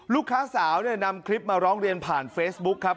ลูกสาวเนี่ยนำคลิปมาร้องเรียนผ่านเฟซบุ๊คครับ